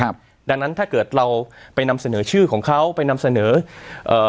ครับดังนั้นถ้าเกิดเราไปนำเสนอชื่อของเขาไปนำเสนอเอ่อ